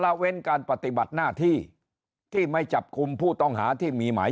ละเว้นการปฏิบัติหน้าที่ที่ไม่จับกลุ่มผู้ต้องหาที่มีหมาย